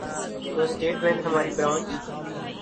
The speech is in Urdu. تو اسٹیٹ بینک ہماری برانچ